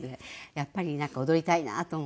やっぱりなんか踊りたいなと思って。